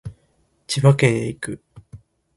千葉県へ行く